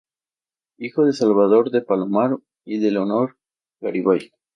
Hijo de Salvador de Palomar y de Leonor de Garibay.